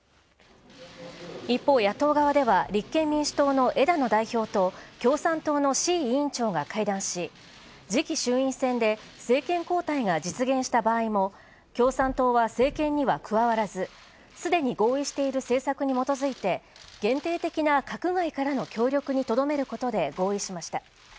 一方、野党側では、立憲民主党の枝野代表と共産党の志位委員長が会談し、次期衆院選で、政権交代が実現した場合も共産党は政権には加わらず、すでに合意している政策に基づいて「限定的な閣外からの協力」に留めることで合意しました。